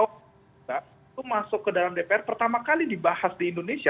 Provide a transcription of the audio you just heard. itu masuk ke dalam dpr pertama kali dibahas di indonesia